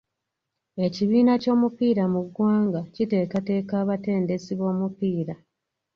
Ekibiina ky'omupiira mu ggwanga kiteekateka abatendesi b'omupiira.